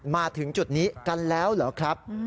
มาถึงจุดนี้กันแล้วเหรอครับ